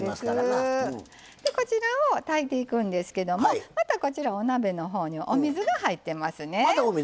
こちらを炊いていくんですけどお鍋のほうにお水が入っていますね。